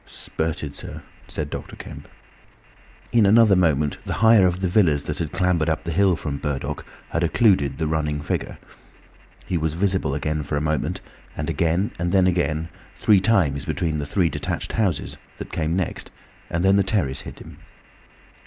"Spurted, sir," said Dr. Kemp. In another moment the higher of the villas that had clambered up the hill from Burdock had occulted the running figure. He was visible again for a moment, and again, and then again, three times between the three detached houses that came next, and then the terrace hid him.